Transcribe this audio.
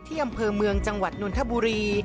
ที่ยังเผยเมืองจังหวัดหนุนทบุรี